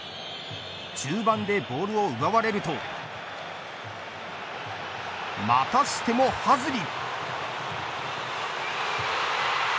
中盤でボールを奪われるとまたしてもハズリ。